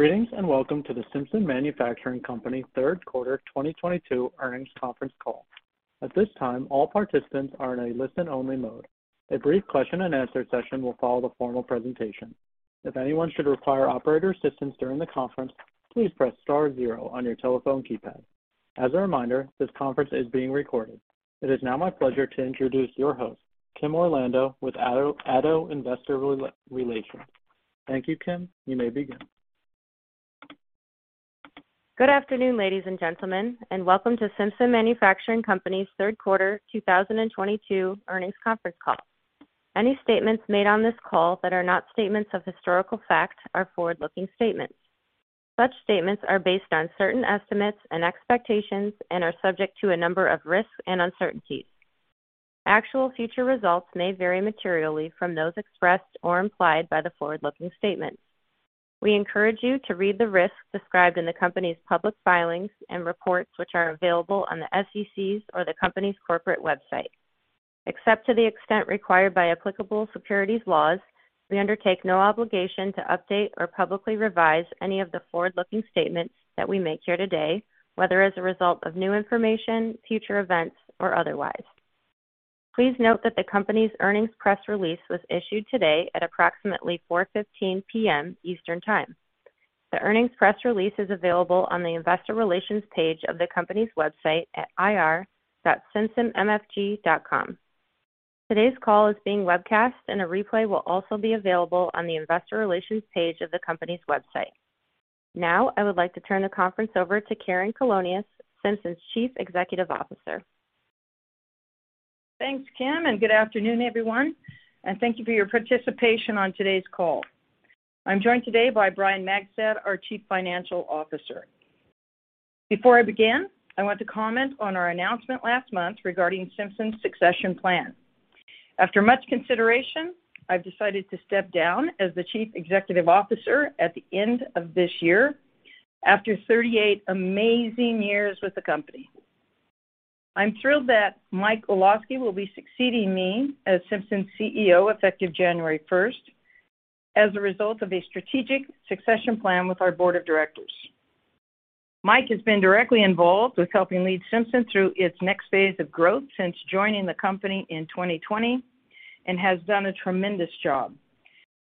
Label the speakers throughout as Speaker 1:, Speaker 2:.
Speaker 1: Greetings, and welcome to the Simpson Manufacturing Company Q3 2022 earnings conference call. At this time, all participants are in a listen-only mode. A brief question-and-answer session will follow the formal presentation. If anyone should require operator assistance during the conference, please press star zero on your telephone keypad. As a reminder, this conference is being recorded. It is now my pleasure to introduce your host, Kim Orlando, with ADDO Investor Relations. Thank you, Kim. You may begin.
Speaker 2: Good afternoon, ladies and gentlemen, and welcome to Simpson Manufacturing Co., Inc.'s Q3 2022 earnings conference call. Any statements made on this call that are not statements of historical fact are forward-looking statements. Such statements are based on certain estimates and expectations and are subject to a number of risks and uncertainties. Actual future results may vary materially from those expressed or implied by the forward-looking statements. We encourage you to read the risks described in the company's public filings and reports, which are available on the SEC's or the company's corporate website. Except to the extent required by applicable securities laws, we undertake no obligation to update or publicly revise any of the forward-looking statements that we make here today, whether as a result of new information, future events, or otherwise. Please note that the company's earnings press release was issued today at approximately 4:15 P.M. Eastern Time. The earnings press release is available on the investor relations page of the company's website at ir.simpsonmfg.com. Today's call is being webcast, and a replay will also be available on the investor relations page of the company's website. Now, I would like to turn the conference over to Karen Colonias, Simpson's CEO.
Speaker 3: Thanks, Kim, and good afternoon, everyone, and thank you for your participation on today's call. I'm joined today by Brian Magstad, our CFO. Before I begin, I want to comment on our announcement last month regarding Simpson's succession plan. After much consideration, I've decided to step down as the CEO at the end of this year after 38 amazing years with the company. I'm thrilled that Mike Olosky will be succeeding me as Simpson's CEO, effective January first, as a result of a strategic succession plan with our board of directors. Mike has been directly involved with helping lead Simpson through its next phase of growth since joining the company in 2020 and has done a tremendous job.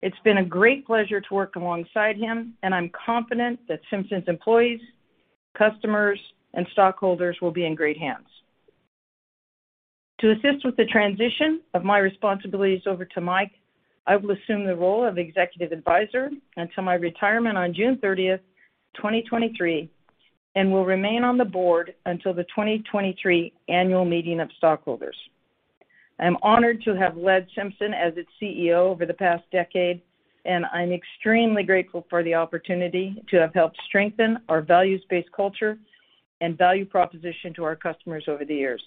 Speaker 3: It's been a great pleasure to work alongside him, and I'm confident that Simpson's employees, customers, and stockholders will be in great hands. To assist with the transition of my responsibilities over to Mike, I will assume the role of executive advisor until my retirement on June 30, 2023, and will remain on the board until the 2023 annual meeting of stockholders. I am honored to have led Simpson as its CEO over the past decade, and I'm extremely grateful for the opportunity to have helped strengthen our values-based culture and value proposition to our customers over the years.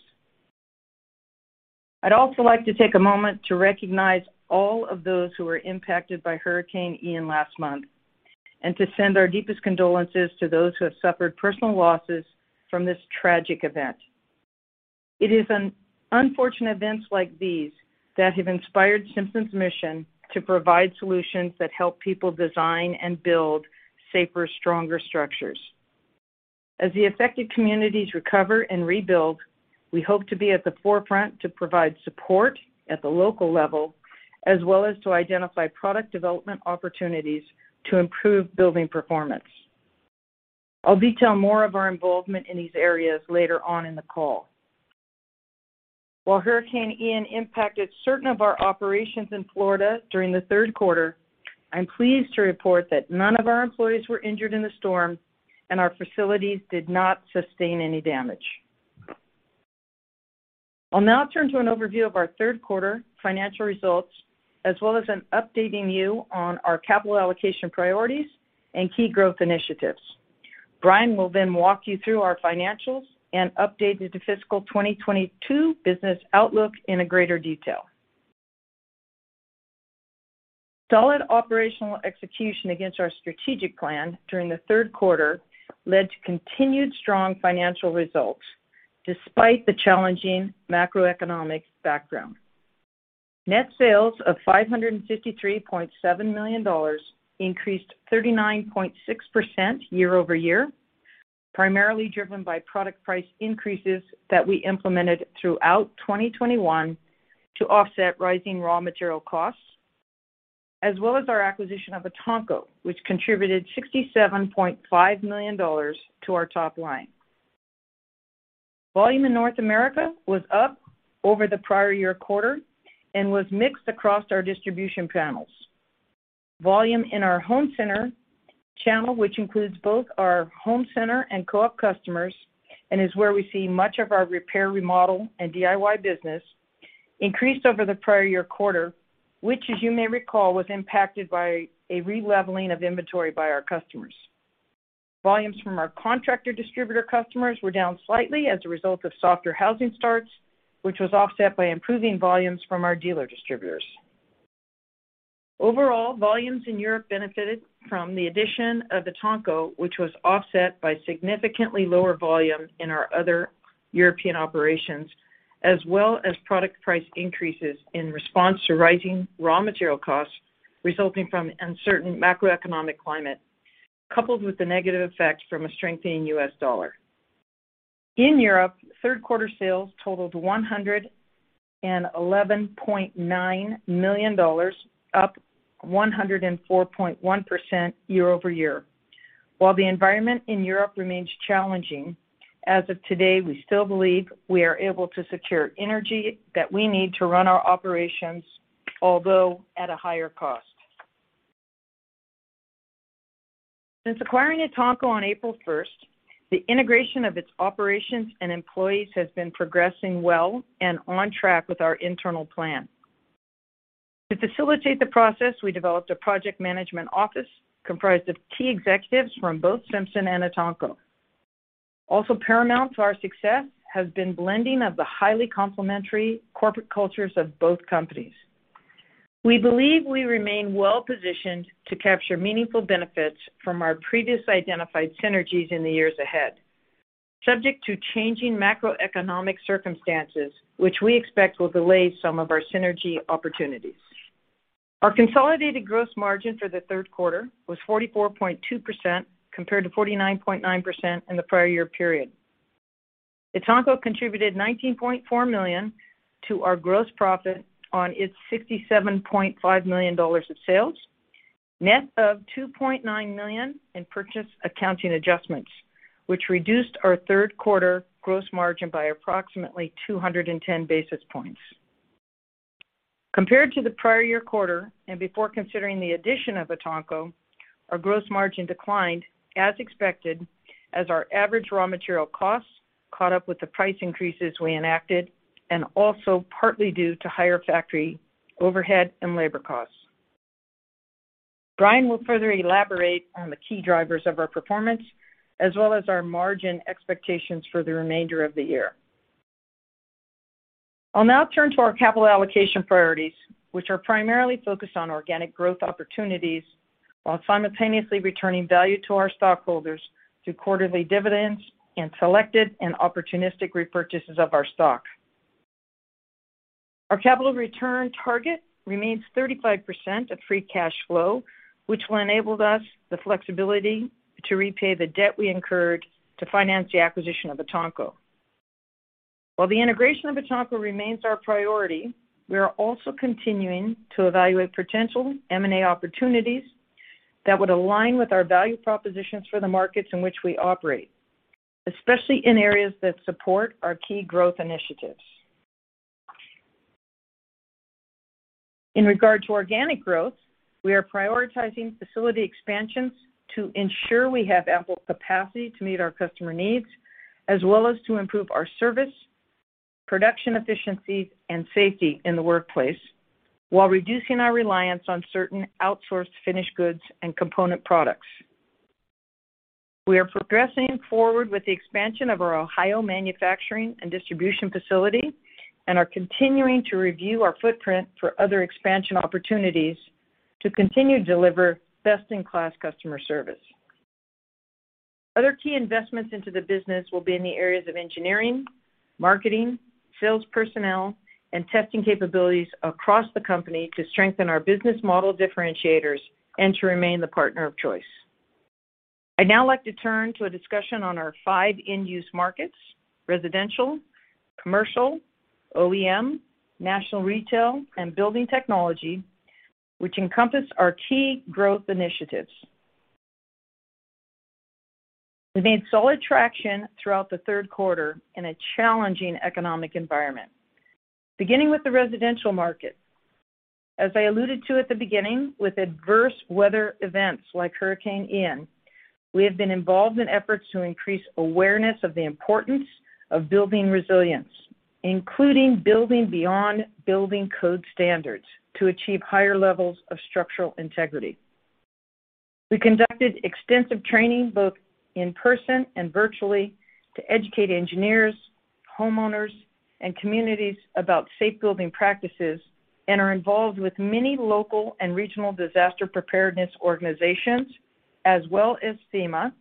Speaker 3: I'd also like to take a moment to recognize all of those who were impacted by Hurricane Ian last month and to send our deepest condolences to those who have suffered personal losses from this tragic event. It is an unfortunate events like these that have inspired Simpson's mission to provide solutions that help people design and build safer, stronger structures. As the affected communities recover and rebuild, we hope to be at the forefront to provide support at the local level, as well as to identify product development opportunities to improve building performance. I'll detail more of our involvement in these areas later on in the call. While Hurricane Ian impacted certain of our operations in Florida during the Q3, I'm pleased to report that none of our employees were injured in the storm, and our facilities did not sustain any damage. I'll now turn to an overview of our Q3 financial results, as well as in updating you on our capital allocation priorities and key growth initiatives. Brian will then walk you through our financials and update the fiscal 2022 business outlook in a greater detail. Solid operational execution against our strategic plan during the Q3 led to continued strong financial results, despite the challenging macroeconomic background. Net sales of $553.7 million increased 39.6% year-over-year, primarily driven by product price increases that we implemented throughout 2021 to offset rising raw material costs, as well as our acquisition of Etanco, which contributed $67.5 million to our top line. Volume in North America was up over the prior-year quarter and was mixed across our distribution channels. Volume in our home center channel, which includes both our home center and co-op customers and is where we see much of our repair, remodel, and DIY business, increased over the prior-year quarter, which, as you may recall, was impacted by a releveling of inventory by our customers. Volumes from our contractor distributor customers were down slightly as a result of softer housing starts, which was offset by improving volumes from our dealer distributors. Overall, volumes in Europe benefited from the addition of Etanco, which was offset by significantly lower volume in our other European operations, as well as product price increases in response to rising raw material costs resulting from uncertain macroeconomic climate, coupled with the negative effects from a strengthening US dollar. In Europe, Q3 sales totaled $111.9 million, up 104.1% year-over-year. While the environment in Europe remains challenging, as of today, we still believe we are able to secure energy that we need to run our operations, although at a higher cost. Since acquiring Etanco on April first, the integration of its operations and employees has been progressing well and on track with our internal plan. To facilitate the process, we developed a project management office comprised of key executives from both Simpson and Etanco. Also paramount to our success has been blending of the highly complementary corporate cultures of both companies. We believe we remain well-positioned to capture meaningful benefits from our previous identified synergies in the years ahead, subject to changing macroeconomic circumstances, which we expect will delay some of our synergy opportunities. Our consolidated gross margin for the Q3 was 44.2%, compared to 49.9% in the prior year period. Etanco contributed $19.4 million to our gross profit on its $67.5 million of sales, net of $2.9 million in purchase accounting adjustments, which reduced our Q3 gross margin by approximately 210 basis points. Compared to the prior year quarter, and before considering the addition of Etanco, our gross margin declined as expected as our average raw material costs caught up with the price increases we enacted and also partly due to higher factory overhead and labor costs. Brian will further elaborate on the key drivers of our performance, as well as our margin expectations for the remainder of the year. I'll now turn to our capital allocation priorities, which are primarily focused on organic growth opportunities while simultaneously returning value to our stockholders through quarterly dividends and selected and opportunistic repurchases of our stock. Our capital return target remains 35% of free cash flow, which will enable us the flexibility to repay the debt we incurred to finance the acquisition of Etanco. While the integration of Etanco remains our priority, we are also continuing to evaluate potential M&A opportunities that would align with our value propositions for the markets in which we operate, especially in areas that support our key growth initiatives. In regard to organic growth, we are prioritizing facility expansions to ensure we have ample capacity to meet our customer needs, as well as to improve our service, production efficiency, and safety in the workplace while reducing our reliance on certain outsourced finished goods and component products. We are progressing forward with the expansion of our Ohio manufacturing and distribution facility and are continuing to review our footprint for other expansion opportunities to continue to deliver best-in-class customer service. Other key investments into the business will be in the areas of engineering, marketing, sales personnel, and testing capabilities across the company to strengthen our business model differentiators and to remain the partner of choice. I'd now like to turn to a discussion on our five end-use markets, residential, commercial, OEM, national retail, and building technology, which encompass our key growth initiatives. We made solid traction throughout the Q3 in a challenging economic environment. Beginning with the residential market, as I alluded to at the beginning, with adverse weather events like Hurricane Ian, we have been involved in efforts to increase awareness of the importance of building resilience, including building beyond building code standards to achieve higher levels of structural integrity. We conducted extensive training, both in person and virtually, to educate engineers, homeowners, and communities about safe building practices and are involved with many local and regional disaster preparedness organizations, as well as FEMA,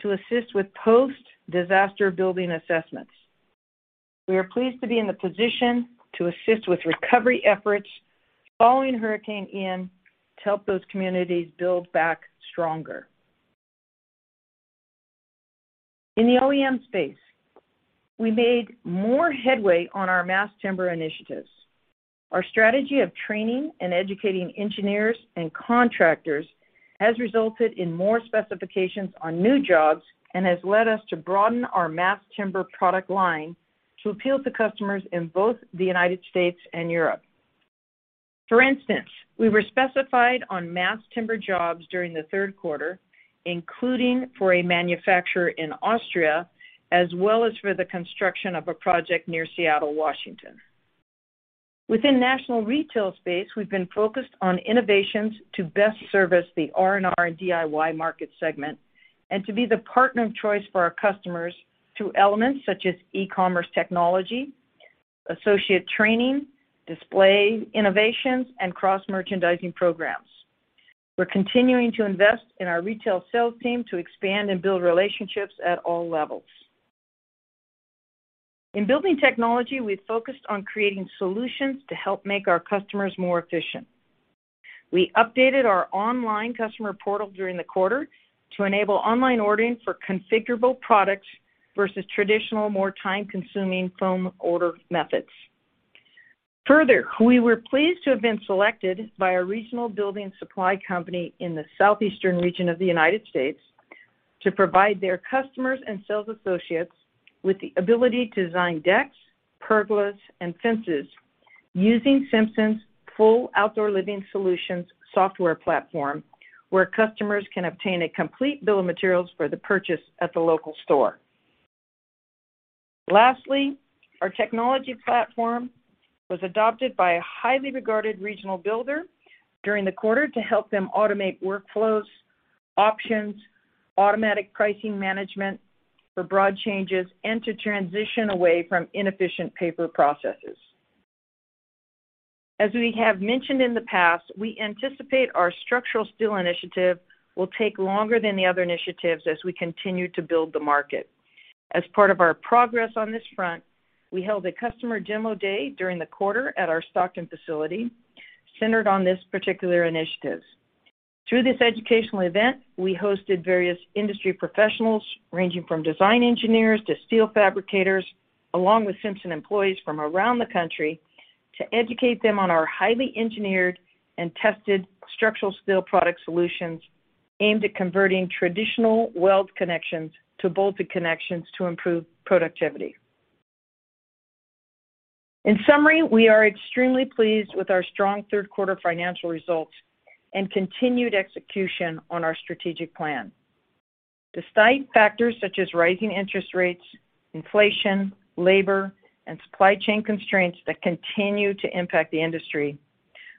Speaker 3: to assist with post-disaster building assessments. We are pleased to be in the position to assist with recovery efforts following Hurricane Ian to help those communities build back stronger. In the OEM space, we made more headway on our mass timber initiatives. Our strategy of training and educating engineers and contractors has resulted in more specifications on new jobs and has led us to broaden our mass timber product line to appeal to customers in both the United States and Europe. For instance, we were specified on mass timber jobs during the Q3, including for a manufacturer in Austria, as well as for the construction of a project near Seattle, Washington. Within national retail space, we've been focused on innovations to best service the R&R and DIY market segment and to be the partner of choice for our customers through elements such as e-commerce technology, associate training, display innovations, and cross-merchandising programs. We're continuing to invest in our retail sales team to expand and build relationships at all levels. In building technology, we've focused on creating solutions to help make our customers more efficient. We updated our online customer portal during the quarter to enable online ordering for configurable products versus traditional, more time-consuming phone order methods. Further, we were pleased to have been selected by a regional building supply company in the southeastern region of the United States to provide their customers and sales associates with the ability to design decks, pergolas, and fences using Simpson's full outdoor living solutions software platform, where customers can obtain a complete bill of materials for the purchase at the local store. Lastly, our technology platform was adopted by a highly regarded regional builder during the quarter to help them automate workflows, options, automatic pricing management for broad changes, and to transition away from inefficient paper processes. As we have mentioned in the past, we anticipate our structural steel initiative will take longer than the other initiatives as we continue to build the market. As part of our progress on this front, we held a customer demo day during the quarter at our Stockton facility centered on this particular initiatives. Through this educational event, we hosted various industry professionals, ranging from design engineers to steel fabricators, along with Simpson employees from around the country, to educate them on our highly engineered and tested structural steel product solutions aimed at converting traditional weld connections to bolted connections to improve productivity. In summary, we are extremely pleased with our strong Q3 financial results and continued execution on our strategic plan. Despite factors such as rising interest rates, inflation, labor, and supply chain constraints that continue to impact the industry,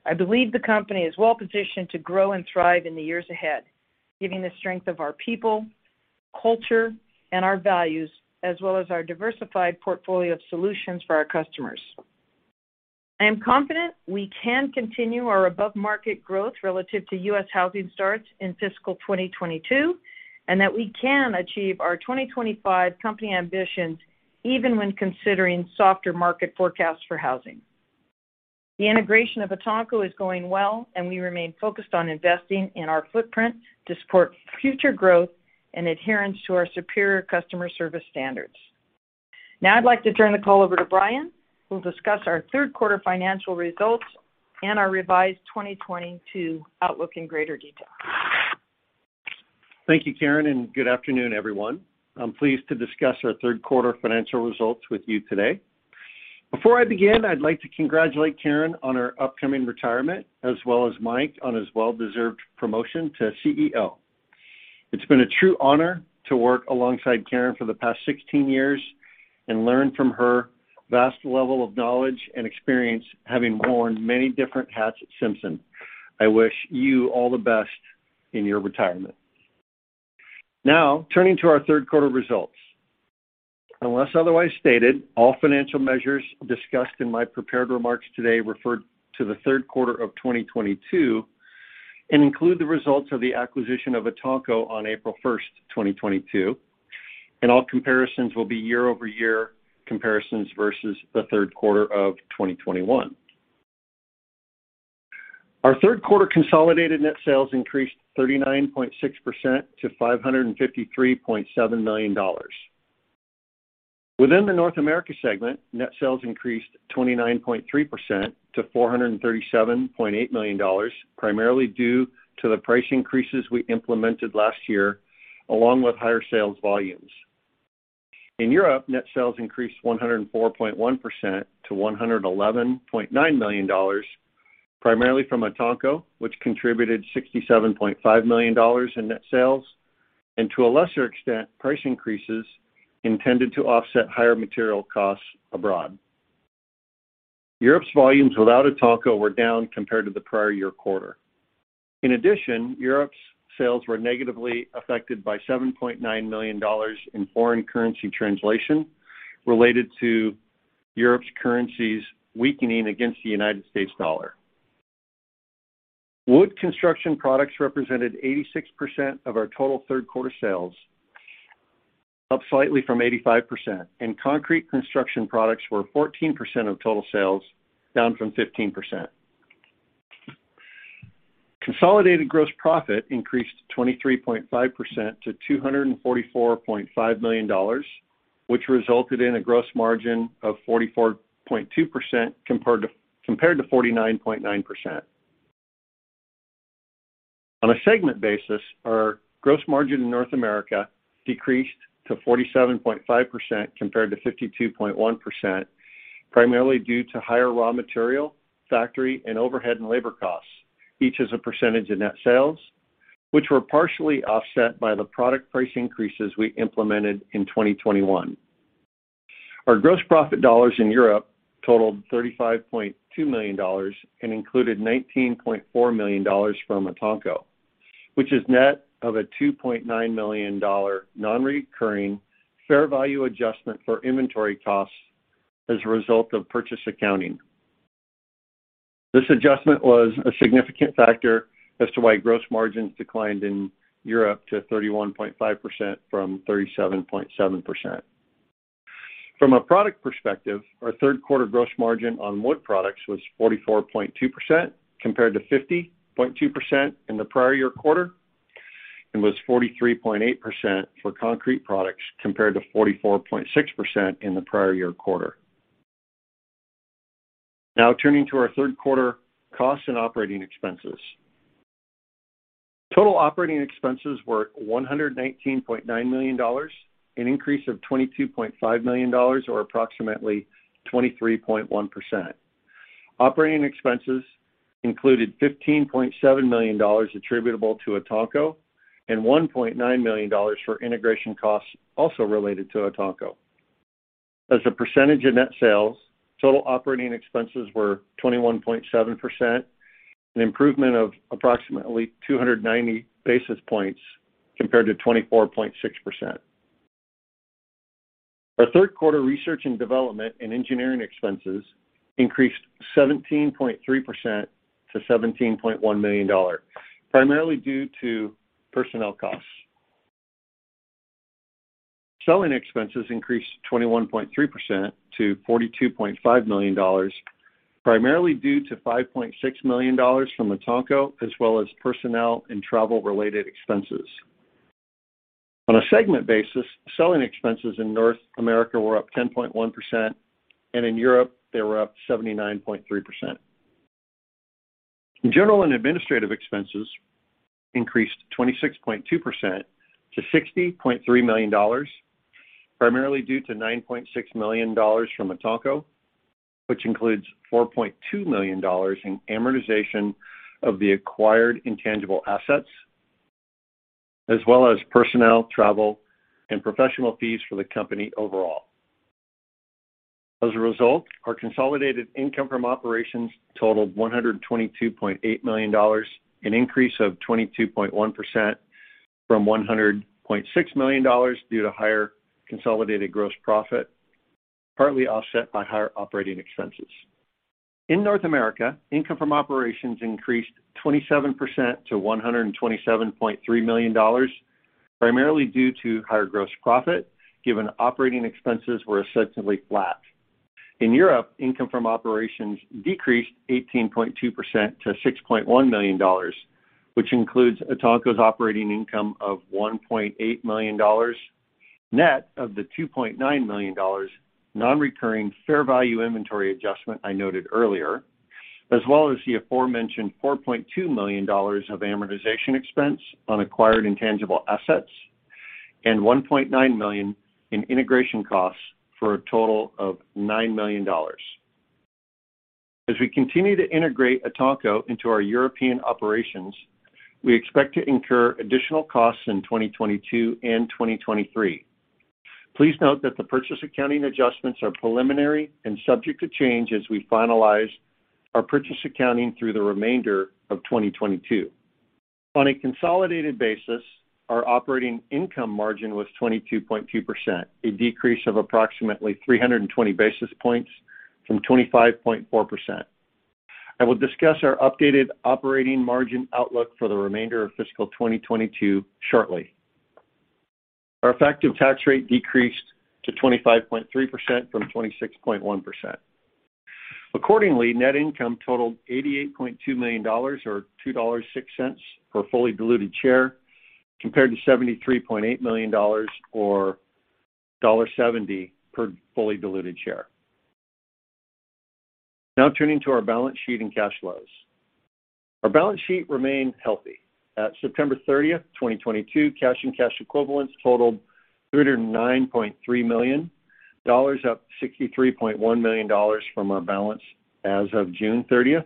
Speaker 3: I believe the company is well-positioned to grow and thrive in the years ahead, given the strength of our people, culture, and our values, as well as our diversified portfolio of solutions for our customers. I am confident we can continue our above-market growth relative to U.S. housing starts in fiscal 2022, and that we can achieve our 2025 company ambitions even when considering softer market forecasts for housing. The integration of Etanco is going well, and we remain focused on investing in our footprint to support future growth and adherence to our superior customer service standards. Now I'd like to turn the call over to Brian, who will discuss our Q3 financial results and our revised 2022 outlook in greater detail.
Speaker 4: Thank you, Karen, and good afternoon, everyone. I'm pleased to discuss our Q3 financial results with you today. Before I begin, I'd like to congratulate Karen on her upcoming retirement, as well as Mike on his well-deserved promotion to CEO. It's been a true honor to work alongside Karen for the past 16 years and learn from her vast level of knowledge and experience, having worn many different hats at Simpson. I wish you all the best in your retirement. Now, turning to our Q3 results. Unless otherwise stated, all financial measures discussed in my prepared remarks today refer to the Q3 of 2022 and include the results of the acquisition of Etanco on April 1, 2022, and all comparisons will be year-over-year comparisons versus the Q3 of 2021. Our Q3 consolidated net sales increased 39.6% to $553.7 million. Within the North America segment, net sales increased 29.3% to $437.8 million, primarily due to the price increases we implemented last year, along with higher sales volumes. In Europe, net sales increased 104.1% to $111.9 million, primarily from Etanco, which contributed $67.5 million in net sales, and to a lesser extent, price increases intended to offset higher material costs abroad. Europe's volumes without Etanco were down compared to the prior year quarter. In addition, Europe's sales were negatively affected by $7.9 million in foreign currency translation related to Europe's currencies weakening against the United States dollar. Wood Construction Products represented 86% of our total Q3 sales, up slightly from 85%, and Concrete Construction Products were 14% of total sales, down from 15%. Consolidated gross profit increased 23.5% to $244.5 million, which resulted in a gross margin of 44.2% compared to 49.9%. On a segment basis, our gross margin in North America decreased to 47.5% compared to 52.1%, primarily due to higher raw material, factory, and overhead and labor costs, each as a percentage of net sales, which were partially offset by the product price increases we implemented in 2021. Our gross profit dollars in Europe totaled $35.2 million and included $19.4 million from Etanco, which is net of a $2.9 million non-recurring fair value adjustment for inventory costs. As a result of purchase accounting. This adjustment was a significant factor as to why gross margins declined in Europe to 31.5% from 37.7%. From a product perspective, our Q3 gross margin on wood products was 44.2% compared to 50.2% in the prior year quarter, and was 43.8% for concrete products compared to 44.6% in the prior year quarter. Now turning to our Q3 costs and operating expenses. Total operating expenses were $119.9 million, an increase of $22.5 million or approximately 23.1%. Operating expenses included $15.7 million attributable to Etanco, and $1.9 million for integration costs also related to Etanco. As a percentage of net sales, total operating expenses were 21.7%, an improvement of approximately 290 basis points compared to 24.6%. Our Q3 research and development and engineering expenses increased 17.3% to $17.1 million, primarily due to personnel costs. Selling expenses increased 21.3% to $42.5 million, primarily due to $5.6 million from Etanco, as well as personnel and travel related expenses. On a segment basis, selling expenses in North America were up 10.1%, and in Europe they were up 79.3%. General and administrative expenses increased 26.2% to $60.3 million, primarily due to $9.6 million from Etanco, which includes $4.2 million in amortization of the acquired intangible assets, as well as personnel, travel, and professional fees for the company overall. As a result, our consolidated income from operations totaled $122.8 million, an increase of 22.1% from $100.6 million due to higher consolidated gross profit, partly offset by higher operating expenses. In North America, income from operations increased 27% to $127.3 million, primarily due to higher gross profit, given operating expenses were essentially flat. In Europe, income from operations decreased 18.2% to $6.1 million, which includes Etanco's operating income of $1.8 million, net of the $2.9 million non-recurring fair value inventory adjustment I noted earlier, as well as the aforementioned $4.2 million of amortization expense on acquired intangible assets and $1.9 million in integration costs for a total of $9 million. We continue to integrate Etanco into our European operations, we expect to incur additional costs in 2022 and 2023. Please note that the purchase accounting adjustments are preliminary and subject to change as we finalize our purchase accounting through the remainder of 2022. On a consolidated basis, our operating income margin was 22.2%, a decrease of approximately 320 basis points from 25.4%. I will discuss our updated operating margin outlook for the remainder of fiscal 2022 shortly. Our effective tax rate decreased to 25.3% from 26.1%. Accordingly, net income totaled $88.2 million or $2.06 per fully diluted share, compared to $73.8 million or $1.70 per fully diluted share. Now turning to our balance sheet and cash flows. Our balance sheet remained healthy. At September 30, 2022, cash and cash equivalents totaled $309.3 million, up $63.1 million from our balance as of June 30.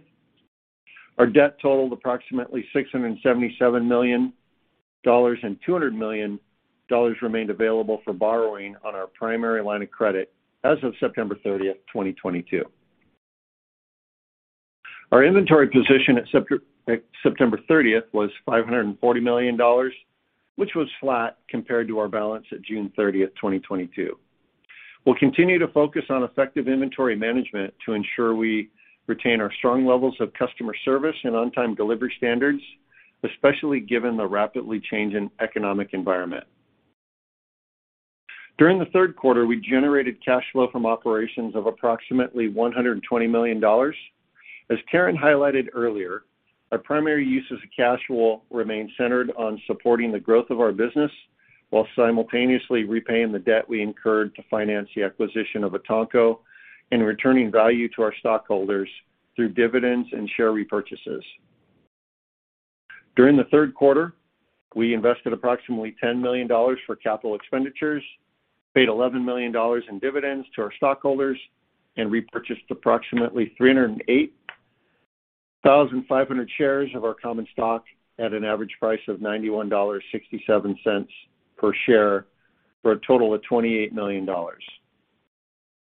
Speaker 4: Our debt totaled approximately $677 million, and $200 million remained available for borrowing on our primary line of credit as of September 30, 2022. Our inventory position at September 30 was $540 million, which was flat compared to our balance at June 30, 2022. We'll continue to focus on effective inventory management to ensure we retain our strong levels of customer service and on-time delivery standards, especially given the rapidly changing economic environment. During the Q3, we generated cash flow from operations of approximately $120 million. As Karen highlighted earlier, our primary uses of cash will remain centered on supporting the growth of our business while simultaneously repaying the debt we incurred to finance the acquisition of Etanco and returning value to our stockholders through dividends and share repurchases. During the Q3, we invested approximately $10 million for capital expenditures, paid $11 million in dividends to our stockholders, and repurchased approximately 308,500 shares of our common stock at an average price of $91.67 per share, for a total of $28 million.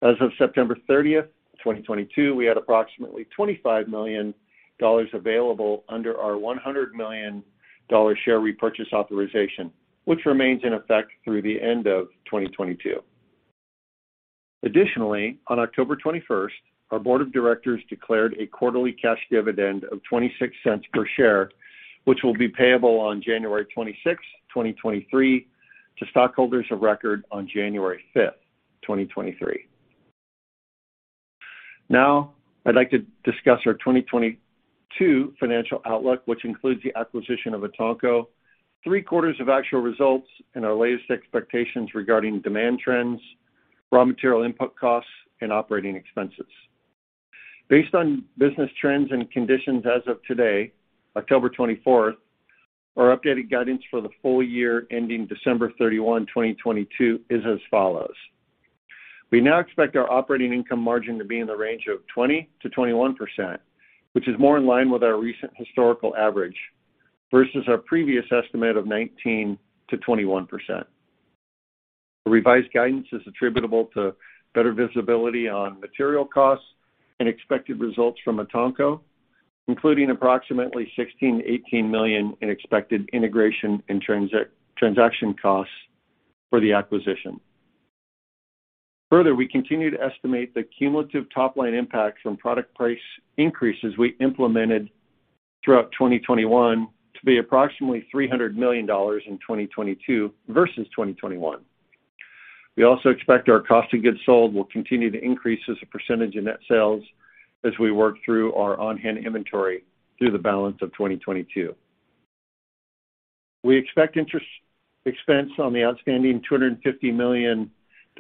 Speaker 4: As of September 30, 2022, we had approximately $25 million available under our $100 million share repurchase authorization, which remains in effect through the end of 2022. Additionally, on October 21, our board of directors declared a quarterly cash dividend of $0.26 per share, which will be payable on January 26, 2023 to stockholders of record on January 5, 2023. Now I'd like to discuss our 2022 financial outlook, which includes the acquisition of Etanco, three quarters of actual results, and our latest expectations regarding demand trends, raw material input costs, and operating expenses. Based on business trends and conditions as of today, October 24, our updated guidance for the full year ending December 31, 2022 is as follows. We now expect our operating income margin to be in the range of 20%-21%, which is more in line with our recent historical average versus our previous estimate of 19%-21%. The revised guidance is attributable to better visibility on material costs and expected results from Etanco, including approximately $16 million-$18 million in expected integration and transaction costs for the acquisition. Further, we continue to estimate the cumulative top line impact from product price increases we implemented throughout 2021 to be approximately $300 million in 2022 versus 2021. We also expect our cost of goods sold will continue to increase as a percentage of net sales as we work through our on-hand inventory through the balance of 2022. We expect interest expense on the outstanding $250 million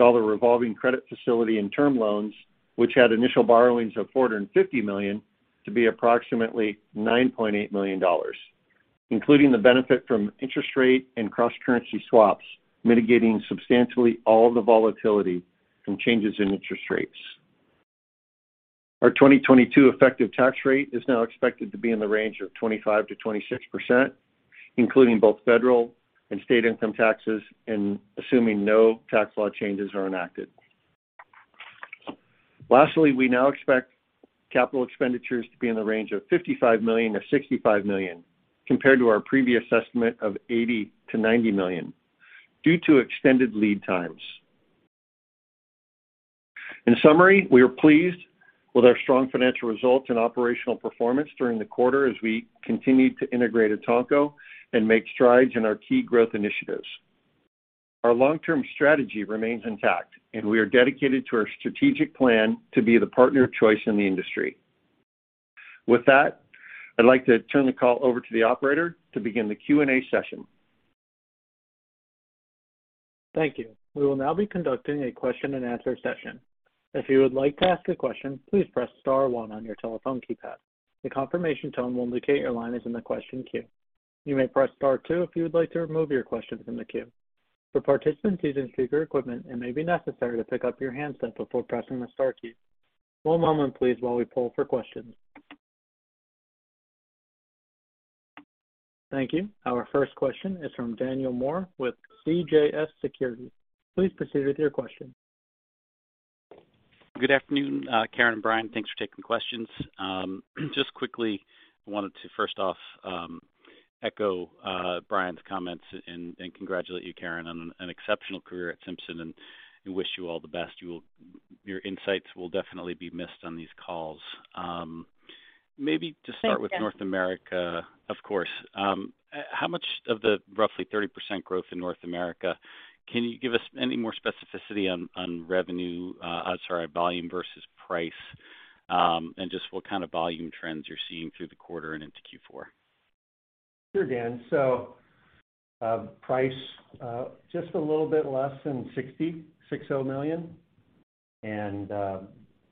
Speaker 4: revolving credit facility and term loans, which had initial borrowings of $450 million, to be approximately $9.8 million, including the benefit from interest rate and cross-currency swaps, mitigating substantially all the volatility from changes in interest rates. Our 2022 effective tax rate is now expected to be in the range of 25%-26%, including both federal and state income taxes and assuming no tax law changes are enacted. Lastly, we now expect capital expenditures to be in the range of $55 million-$65 million, compared to our previous estimate of $80 million-$90 million due to extended lead times. In summary, we are pleased with our strong financial results and operational performance during the quarter as we continue to integrate Etanco and make strides in our key growth initiatives. Our long-term strategy remains intact, and we are dedicated to our strategic plan to be the partner of choice in the industry. With that, I'd like to turn the call over to the operator to begin the Q&A session.
Speaker 1: Thank you. We will now be conducting a question-and-answer session. If you would like to ask a question, please press star one on your telephone keypad. The confirmation tone will indicate your line is in the question queue. You may press star two if you would like to remove your question from the queue. For participants using speaker equipment, it may be necessary to pick up your handset before pressing the star key. One moment please while we poll for questions. Thank you. Our first question is from Daniel Moore with CJS Securities. Please proceed with your question.
Speaker 5: Good afternoon, Karen and Brian. Thanks for taking questions. Just quickly wanted to first off echo Brian's comments and congratulate you, Karen, on an exceptional career at Simpson, and we wish you all the best. Your insights will definitely be missed on these calls. Maybe to start with North America.
Speaker 3: Thanks, Dan.
Speaker 5: Of course. How much of the roughly 30% growth in North America can you give us any more specificity on volume versus price, and just what kind of volume trends you're seeing through the quarter and into Q4?
Speaker 4: Sure, Dan. Price just a little bit less than $66 million.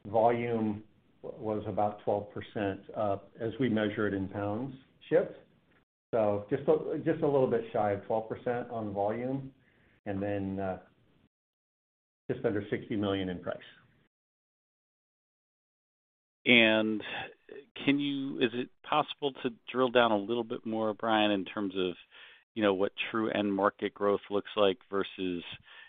Speaker 4: Volume was about 12% up as we measure it in pounds shipped. Just a little bit shy of 12% on volume and then just under $60 million in price.
Speaker 5: Is it possible to drill down a little bit more, Brian, in terms of, you know, what true end market growth looks like versus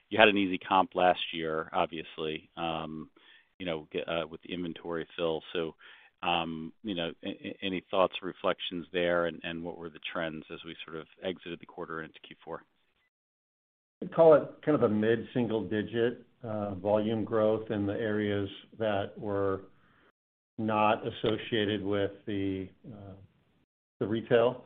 Speaker 5: you had an easy comp last year, obviously, with the inventory fill. You know, any thoughts or reflections there and what were the trends as we sort of exited the quarter into Q4?
Speaker 4: Call it kind of a mid-single-digit volume growth in the areas that were not associated with the retail.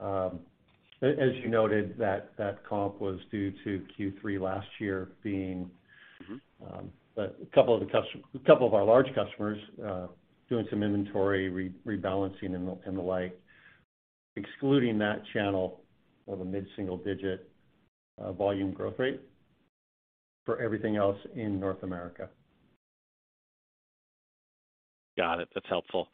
Speaker 4: As you noted, that comp was due to Q3 last year being
Speaker 5: Mm-hmm
Speaker 4: A couple of our large customers doing some inventory rebalancing and the like. Excluding that channel, a mid-single-digit volume growth rate for everything else in North America.
Speaker 5: Got it. That's helpful.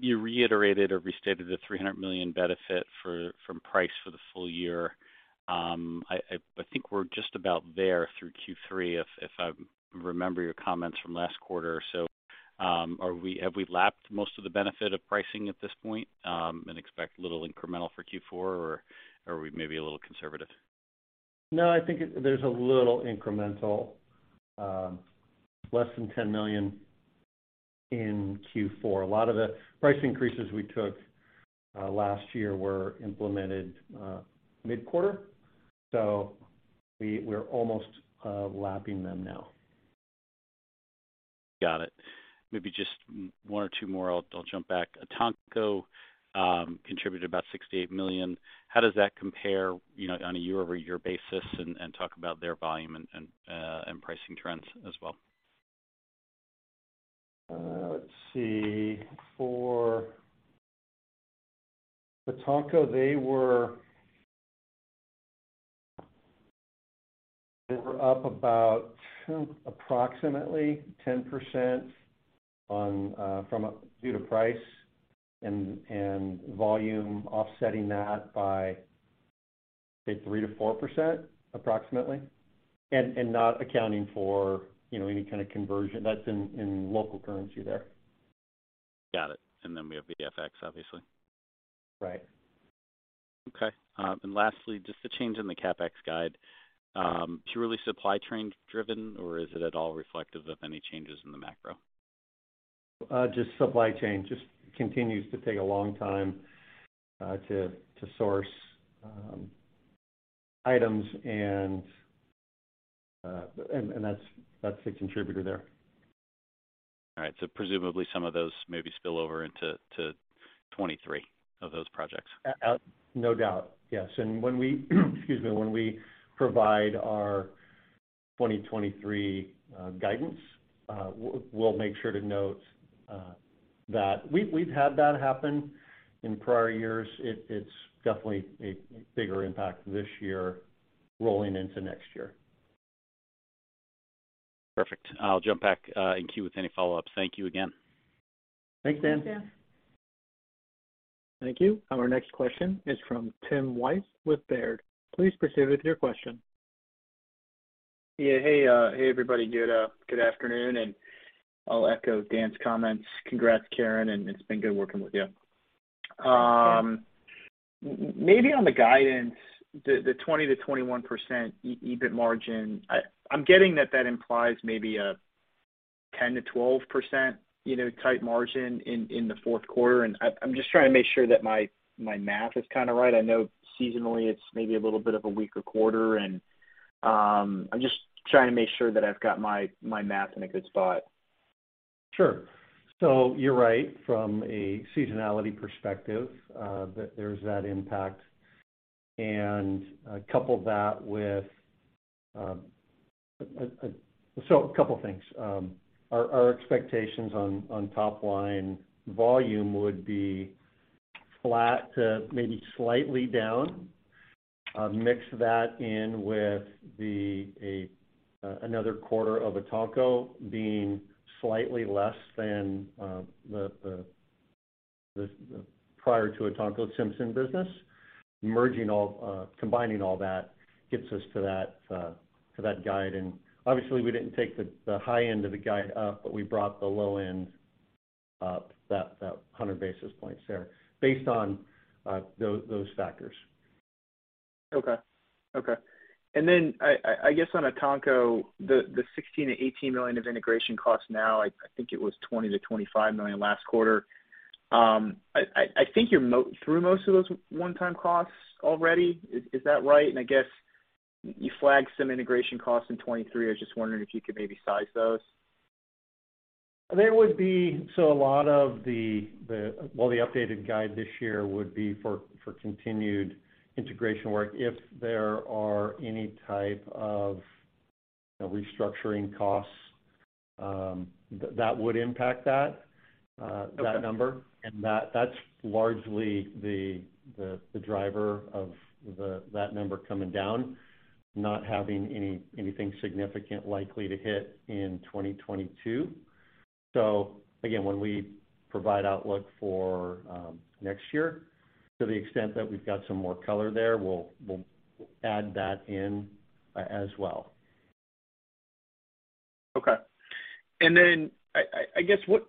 Speaker 5: You reiterated or restated the $300 million benefit from pricing for the full year. I think we're just about there through Q3 if I remember your comments from last quarter. Have we lapped most of the benefit of pricing at this point, and expect little incremental for Q4, or are we maybe a little conservative?
Speaker 4: No, I think there's a little incremental less than $10 million in Q4. A lot of the price increases we took last year were implemented mid-quarter. We're almost lapping them now.
Speaker 5: Got it. Maybe just one or two more. I'll jump back. Etanco contributed about $68 million. How does that compare, you know, on a year-over-year basis? Talk about their volume and pricing trends as well.
Speaker 4: Let's see. For Etanco, they were up about approximately 10% due to price and volume offsetting that by, say, 3%-4% approximately. Not accounting for, you know, any kind of conversion. That's in local currency there.
Speaker 5: Got it. We have the FX, obviously.
Speaker 4: Right.
Speaker 5: Okay. Lastly, just a change in the CapEx guide, purely supply chain driven or is it at all reflective of any changes in the macro?
Speaker 4: Just supply chain. Just continues to take a long time to source items and that's the contributor there.
Speaker 5: All right. Presumably some of those maybe spill over into 2023 of those projects.
Speaker 4: No doubt, yes. When we provide our 2023 guidance, we'll make sure to note that we've had that happen in prior years. It's definitely a bigger impact this year rolling into next year.
Speaker 5: Perfect. I'll jump back in queue with any follow-ups. Thank you again.
Speaker 4: Thanks, Dan.
Speaker 3: Thanks, Dan.
Speaker 1: Thank you. Our next question is from Tim Wojs with Baird. Please proceed with your question.
Speaker 6: Yeah. Hey. Hey, everybody. Good afternoon, and I'll echo Dan's comments. Congrats, Karen, and it's been good working with you. Maybe on the guidance, the 20%-21% EBIT margin, I'm getting that implies maybe a 10%-12%, you know, type margin in the Q4. I'm just trying to make sure that my math is kind of right. I know seasonally it's maybe a little bit of a weaker quarter, and I'm just trying to make sure that I've got my math in a good spot.
Speaker 4: Sure. You're right. From a seasonality perspective, there's that impact. Couple that with a couple things. Our expectations on top line volume would be flat to maybe slightly down. Mix that in with another quarter of Etanco being slightly less than the prior to Etanco Simpson business. Combining all that gets us to that guide. Obviously, we didn't take the high end of the guide up, but we brought the low end up that 100 basis points there based on those factors.
Speaker 6: I guess on Etanco, the $16 million-$18 million of integration costs now. I think it was $20 million-$25 million last quarter. I think you're mostly through most of those one-time costs already. Is that right? I guess you flagged some integration costs in 2023. I was just wondering if you could maybe size those.
Speaker 4: A lot of the well, the updated guide this year would be for continued integration work. If there are any type of restructuring costs, that would impact that number.
Speaker 6: Okay.
Speaker 4: That's largely the driver of that number coming down, not having anything significant likely to hit in 2022. Again, when we provide outlook for next year, to the extent that we've got some more color there, we'll add that in as well.
Speaker 6: Okay. I guess what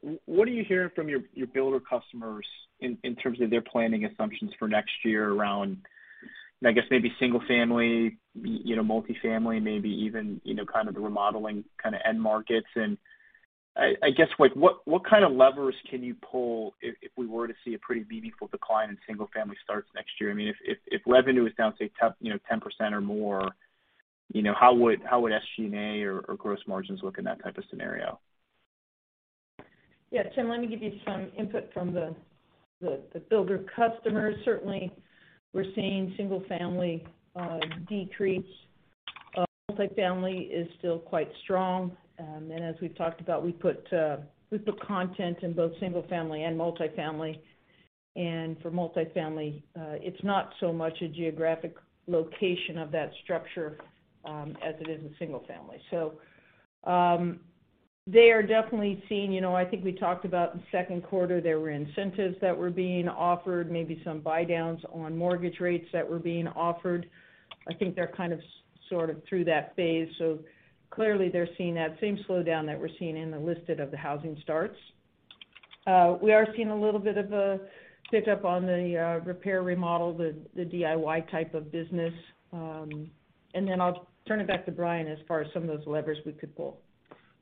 Speaker 6: are you hearing from your builder customers in terms of their planning assumptions for next year around, I guess maybe single family, you know, multifamily, maybe even, you know, kind of the remodeling kind of end markets? I guess, like, what kind of levers can you pull if we were to see a pretty meaningful decline in single family starts next year? I mean, if revenue is down, say, 10, you know, 10% or more, you know, how would SG&A or gross margins look in that type of scenario?
Speaker 3: Yeah. Tim, let me give you some input from the builder customers. Certainly, we're seeing single-family decrease. Multifamily is still quite strong. As we've talked about, we put connectors in both single-family and multifamily. For multifamily, it's not so much a geographic location of that structure as it is in single-family. They are definitely seeing, you know, I think we talked about in the Q2, there were incentives that were being offered, maybe some buydowns on mortgage rates that were being offered. I think they're kind of sort of through that phase. Clearly they're seeing that same slowdown that we're seeing in the latest housing starts. We are seeing a little bit of a pick-up on the repair remodel, the DIY type of business. I'll turn it back to Brian as far as some of those levers we could pull.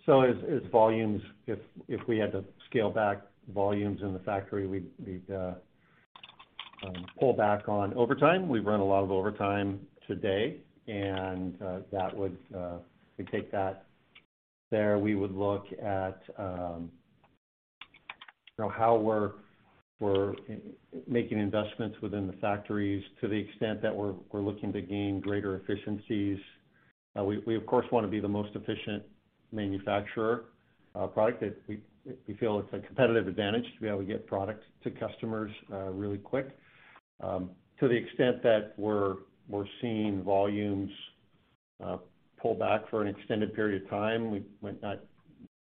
Speaker 4: As volumes, if we had to scale back volumes in the factory, we'd pull back on overtime. We run a lot of overtime today, and that would be the first. We would look at you know how we're making investments within the factories to the extent that we're looking to gain greater efficiencies. We of course wanna be the most efficient manufacturer, product that we feel it's a competitive advantage to be able to get products to customers really quick. To the extent that we're seeing volumes pull back for an extended period of time, we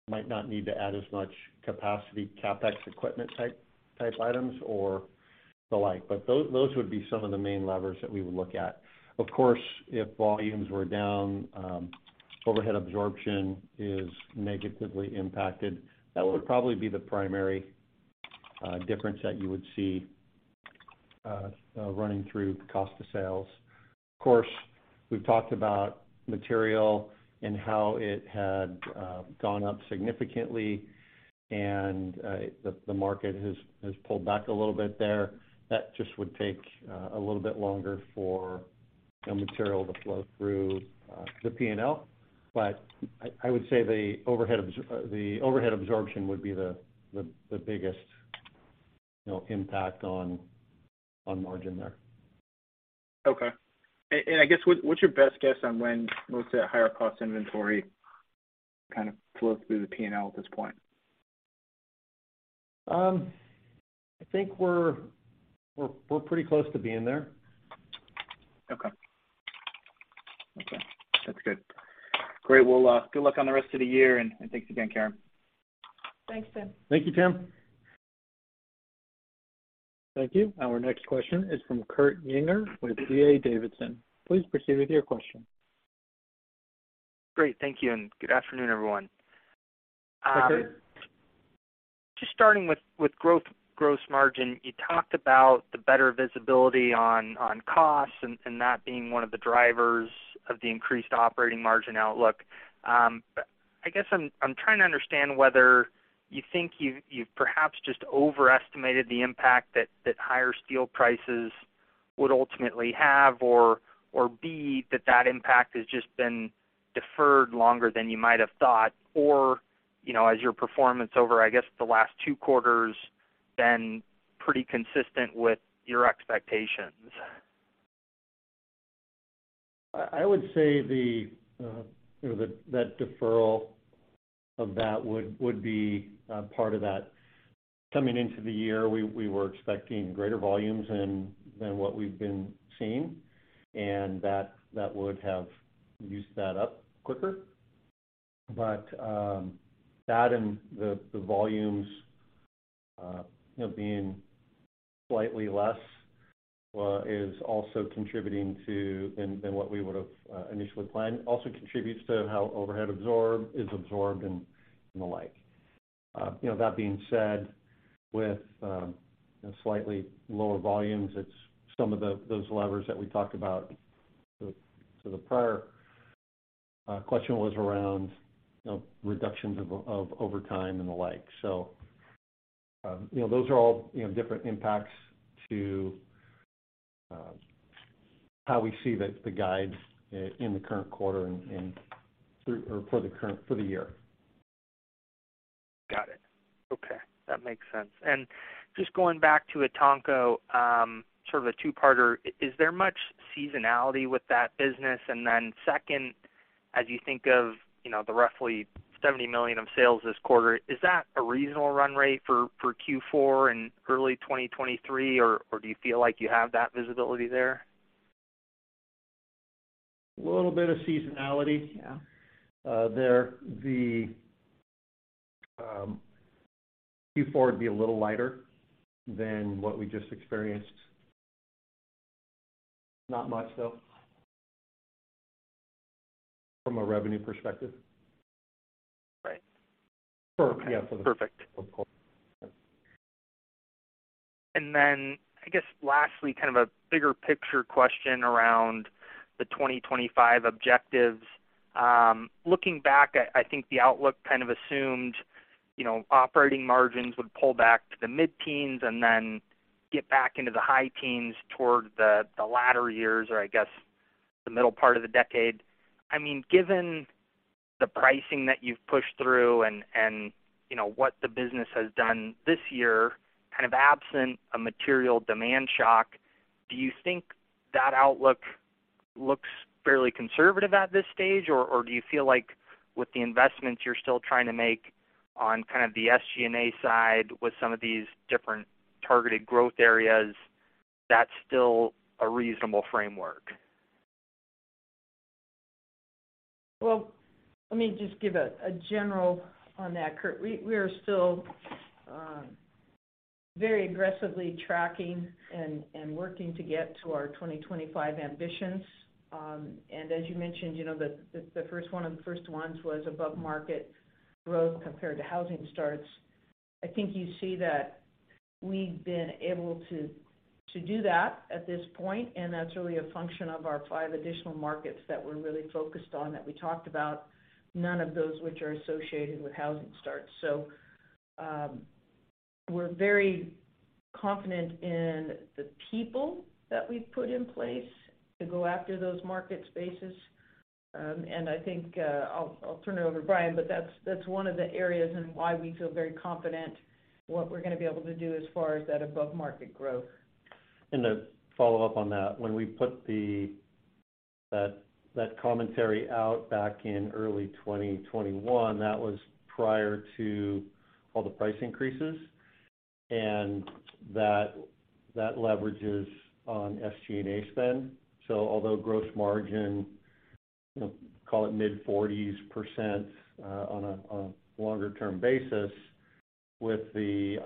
Speaker 4: might not need to add as much capacity, CapEx, equipment type items or the like. Those would be some of the main levers that we would look at. Of course, if volumes were down, overhead absorption is negatively impacted. That would probably be the primary difference that you would see running through cost of sales. Of course, we've talked about material and how it had gone up significantly and the market has pulled back a little bit there. That just would take a little bit longer for the material to flow through the P&L. But I would say the overhead absorption would be the biggest, you know, impact on margin there.
Speaker 6: Okay. I guess, what's your best guess on when most of that higher cost inventory kind of flows through the P&L at this point?
Speaker 4: I think we're pretty close to being there.
Speaker 6: Okay. That's good. Great. Well, good luck on the rest of the year, and thanks again, Karen.
Speaker 3: Thanks, Tim.
Speaker 4: Thank you, Tim.
Speaker 1: Thank you. Our next question is from Kurt Yinger with D.A. Davidson. Please proceed with your question.
Speaker 7: Great. Thank you, and good afternoon, everyone.
Speaker 4: Hi, Kurt.
Speaker 7: Just starting with growth, gross margin. You talked about the better visibility on costs and that being one of the drivers of the increased operating margin outlook. I guess I'm trying to understand whether you think you've perhaps just overestimated the impact that higher steel prices would ultimately have or B, that impact has just been deferred longer than you might have thought, or, you know, as your performance over, I guess, the last two quarters been pretty consistent with your expectations.
Speaker 4: I would say that deferral of that would be part of that. Coming into the year, we were expecting greater volumes than what we've been seeing, and that would have used that up quicker. That and the volumes you know being slightly less is also contributing to than what we would've initially planned. Also contributes to how overhead is absorbed and the like. You know, that being said, with you know slightly lower volumes, it's some of those levers that we talked about. The prior question was around you know reductions of overtime and the like. You know, those are all, you know, different impacts to how we see the guides in the current quarter and for the year.
Speaker 7: Got it. Okay. That makes sense. Just going back to Etanco, sort of a two-parter. Is there much seasonality with that business? And then second, as you think of, you know, the roughly $70 million of sales this quarter, is that a reasonable run rate for Q4 and early 2023, or do you feel like you have that visibility there?
Speaker 4: A little bit of seasonality.
Speaker 3: Yeah
Speaker 4: The Q4 would be a little lighter than what we just experienced. Not much, though, from a revenue perspective.
Speaker 7: Right.
Speaker 4: For, yeah, for the
Speaker 7: Perfect
Speaker 4: for the quarter. Yeah.
Speaker 7: I guess lastly, kind of a bigger picture question around the 2025 objectives. Looking back, I think the outlook kind of assumed, you know, operating margins would pull back to the mid-teens and then get back into the high teens toward the latter years or I guess the middle part of the decade. I mean, given the pricing that you've pushed through and you know, what the business has done this year, kind of absent a material demand shock, do you think that outlook looks fairly conservative at this stage? Or do you feel like with the investments you're still trying to make on kind of the SG&A side with some of these different targeted growth areas, that's still a reasonable framework?
Speaker 3: Let me just give a general on that, Kurt. We are still very aggressively tracking and working to get to our 2025 ambitions. As you mentioned, you know, the first one was above market growth compared to housing starts. I think you see that we've been able to do that at this point, and that's really a function of our five additional markets that we're really focused on that we talked about, none of those which are associated with housing starts. We're very confident in the people that we've put in place to go after those market spaces. I think I'll turn it over to Brian, but that's one of the areas and why we feel very confident what we're gonna be able to do as far as that above market growth.
Speaker 4: To follow up on that, when we put that commentary out back in early 2021, that was prior to all the price increases. That leverages on SG&A spend. Although gross margin, call it mid-40s%, on a longer-term basis, with the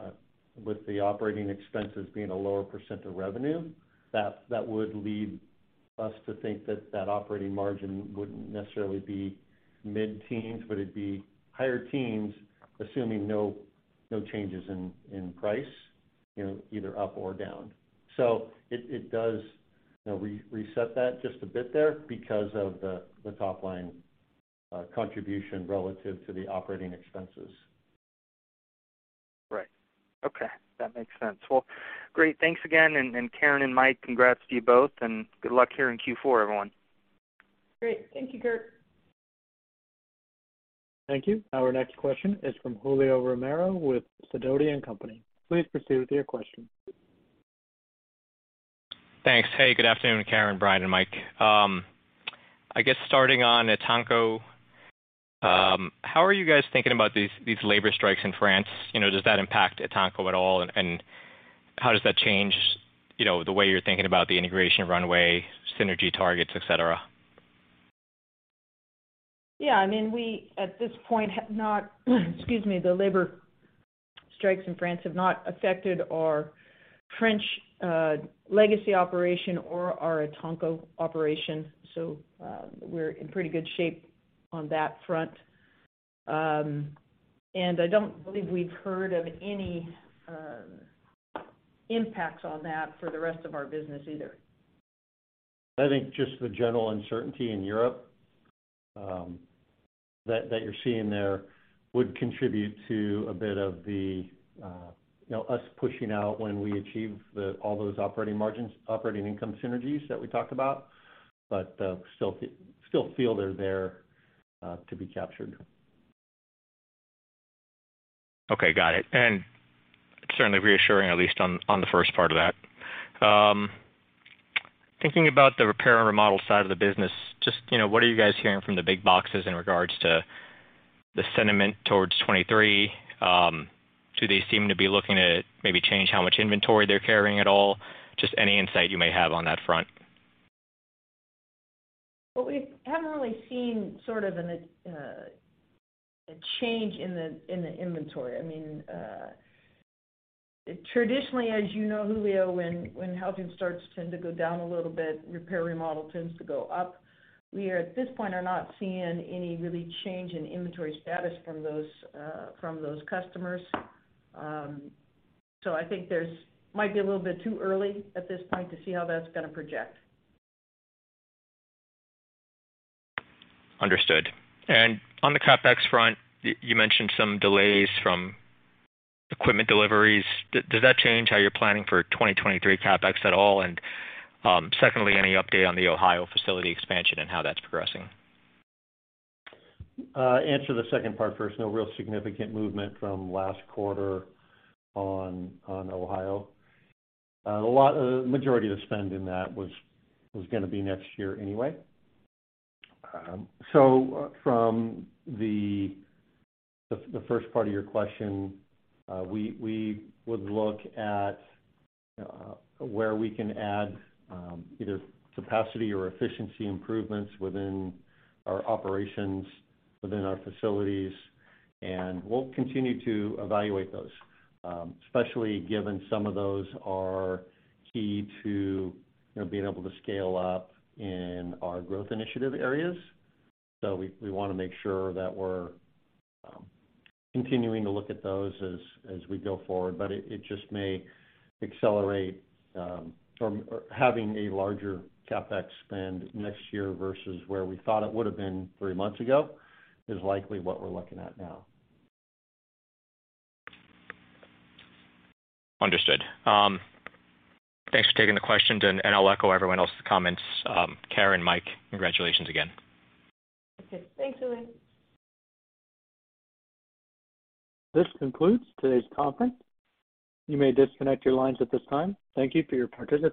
Speaker 4: operating expenses being a lower percent of revenue, that would lead us to think that that operating margin wouldn't necessarily be mid-teens%, but it'd be higher teens%, assuming no changes in price, you know, either up or down. It does, you know, re-reset that just a bit there because of the top line contribution relative to the operating expenses.
Speaker 7: Right. Okay, that makes sense. Well, great. Thanks again. Karen and Mike, congrats to you both, and good luck here in Q4, everyone.
Speaker 3: Great. Thank you, Kurt.
Speaker 1: Thank you. Our next question is from Julio Romero with Sidoti & Company. Please proceed with your question.
Speaker 8: Thanks. Hey, good afternoon, Karen, Brian, and Mike. I guess starting on Etanco, how are you guys thinking about these labor strikes in France? You know, does that impact Etanco at all? How does that change, you know, the way you're thinking about the integration runway, synergy targets, et cetera?
Speaker 3: Yeah, I mean, the labor strikes in France have not affected our French legacy operation or our Etanco operation. We're in pretty good shape on that front. I don't believe we've heard of any impacts on that for the rest of our business either.
Speaker 4: I think just the general uncertainty in Europe, that you're seeing there would contribute to a bit of the, you know, us pushing out when we achieve all those operating margins, operating income synergies that we talked about, but still feel they're there to be captured.
Speaker 8: Okay, got it. Certainly reassuring, at least on the first part of that. Thinking about the repair and remodel side of the business, just, you know, what are you guys hearing from the big boxes in regards to the sentiment towards 2023? Do they seem to be looking to maybe change how much inventory they're carrying at all? Just any insight you may have on that front.
Speaker 3: Well, we haven't really seen sort of a change in the inventory. I mean, traditionally, as you know, Julio, when housing starts tend to go down a little bit, repair, remodel tends to go up. We, at this point, are not seeing any real change in inventory status from those customers. I think it's a little bit too early at this point to see how that's gonna project.
Speaker 8: Understood. On the CapEx front, you mentioned some delays from equipment deliveries. Does that change how you're planning for 2023 CapEx at all? Secondly, any update on the Ohio facility expansion and how that's progressing?
Speaker 4: Answer the second part first. No real significant movement from last quarter on Ohio. The majority of the spend in that was gonna be next year anyway. From the first part of your question, we would look at where we can add either capacity or efficiency improvements within our operations, within our facilities, and we'll continue to evaluate those. Especially given some of those are key to, you know, being able to scale up in our growth initiative areas. We wanna make sure that we're continuing to look at those as we go forward, but it just may accelerate or having a larger CapEx spend next year versus where we thought it would have been three months ago is likely what we're looking at now.
Speaker 8: Understood. Thanks for taking the question, and I'll echo everyone else's comments. Karen, Mike, congratulations again.
Speaker 3: Okay. Thanks, Julio.
Speaker 1: This concludes today's conference. You may disconnect your lines at this time. Thank you for your participation.